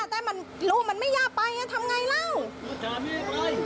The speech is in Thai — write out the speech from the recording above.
แต่ลูกไม่ยากไปทำอย่างไร